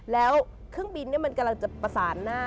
แล้วเครื่องบินมันกำลังจะประสานหน้า